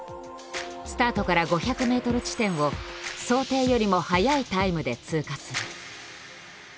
スタートから５００ｍ地点を想定よりも速いタイムで通過する。